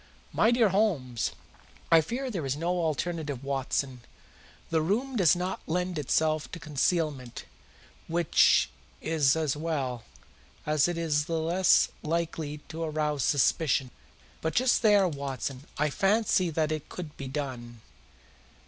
"My dear Holmes!" "I fear there is no alternative, Watson. The room does not lend itself to concealment, which is as well, as it is the less likely to arouse suspicion. But just there, Watson, I fancy that it could be done."